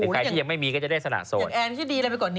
ใครที่ยังไม่มีก็จะได้สนัดโสด